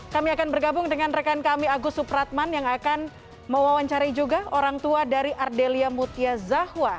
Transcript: kami akan bergabung dengan rekan kami agus supratman yang akan mewawancari juga orang tua dari ardelia mutia zahwa